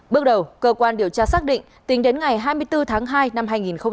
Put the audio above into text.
bước đầu cơ quan điều tra xác định tính đến ngày hai mươi bốn tháng hai năm hai nghìn hai mươi